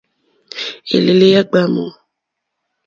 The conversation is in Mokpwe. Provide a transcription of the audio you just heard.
Elele ya gbamu.